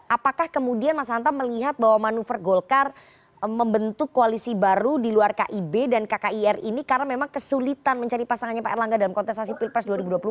apakah kemudian mas hanta melihat bahwa manuver golkar membentuk koalisi baru di luar kib dan kkir ini karena memang kesulitan mencari pasangannya pak erlangga dalam kontestasi pilpres dua ribu dua puluh empat